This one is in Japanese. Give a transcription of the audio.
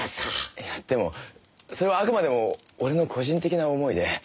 いやでもそれはあくまでも俺の個人的な思いで。